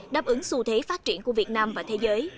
đáp ứng xu thế phát triển của việt nam và thế giới